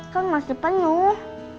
kan masih penuh